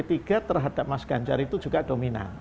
terhadap mas ganjar itu juga dominan